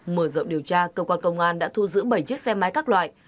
mở rộng điều tra cơ quan công an đã thu giữ bảy chiếc xe máy các loại